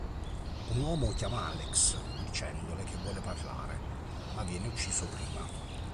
Un uomo chiama Alex dicendole che vuole parlarle ma viene ucciso prima.